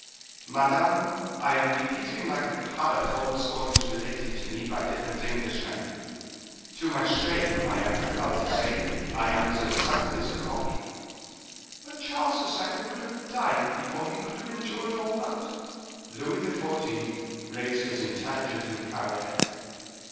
"Madame, I am repeating like a parrot all the stories related to me by different Englishmen. To my shame I am compelled to say, I am as exact as a copy." "Charles II. would have died before he could have endured all that." Louis XIV. raised his intelligent and proud head.